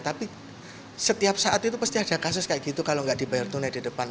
tapi setiap saat itu pasti ada kasus kayak gitu kalau nggak dibayar tunai di depan